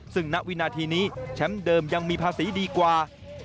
ซึ่งณวินาทีนี้แชมป์เดิมยังมีภาษีดีกว่า